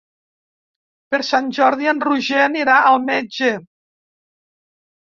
Per Sant Jordi en Roger anirà al metge.